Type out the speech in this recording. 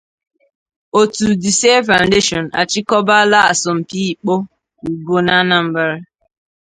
Òtù 'The Siere Foundation' Achịkọbala Asompi Ịkpọ Ụbọ n'Anambra